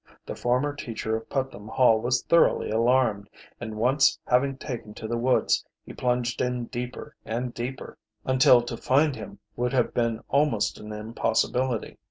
The former teacher of Putnam Hall was thoroughly alarmed, and once having taken to the woods, he plunged in deeper and deeper, until to find him would have been almost an impossibility.